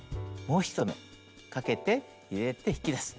もう１目かけて入れて引き出す。